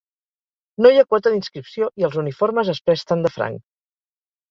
No hi ha quota d'inscripció i els uniformes es presten de franc.